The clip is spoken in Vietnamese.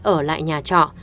ở lại nhà trọ